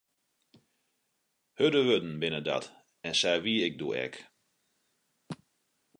Hurde wurden binne dat, en sa wie ik doe ek.